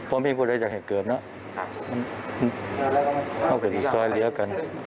เพราะพี่พูดได้จากเหตุเกิดนะ